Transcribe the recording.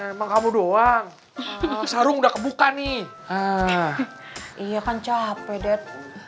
emang kamu doang sarung udah kebuka nih iya kan capek det